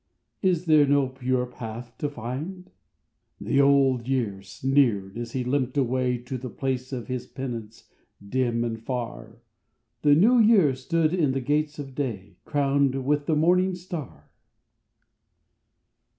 Is there no pure path to find? " The Old Year sneered as he limped away To the place of his penance dim and far. The New Year stood in the gates of day, Crowned with the morning star.